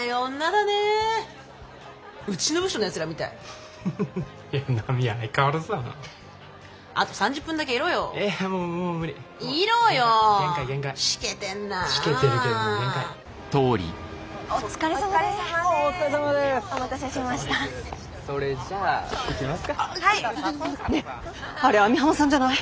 ねえあれ網浜さんじゃない？